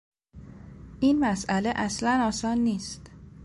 این مسئله اصلا آسان نیست.